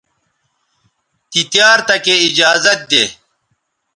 تی تیار تکے ایجازت دے